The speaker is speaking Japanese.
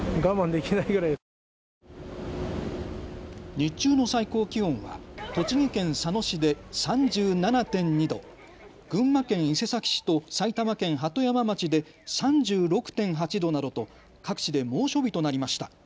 日中の最高気温は栃木県佐野市で３７．２度、群馬県伊勢崎市と埼玉県鳩山町で３６．８度などと各地で猛暑日となりました。